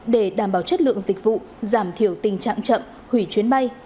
để đảm bảo chất lượng dịch vụ giảm thiểu tình trạng chậm hủy chuyến bay